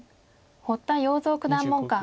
堀田陽三九段門下。